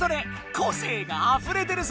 個性があふれてるぞ！